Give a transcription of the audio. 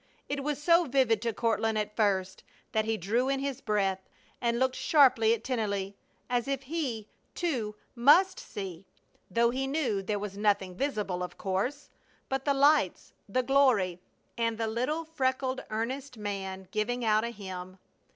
It was so vivid to Courtland at first that he drew in his breath and looked sharply at Tennelly, as if he, too, must see, though he knew there was nothing visible, of course, but the lights, the glory, and the little, freckled, earnest man giving out a hymn.